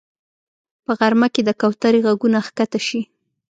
په غرمه کې د کوترې غږونه ښکته شي